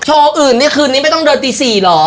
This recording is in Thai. อื่นนี่คืนนี้ไม่ต้องเดินตี๔เหรอ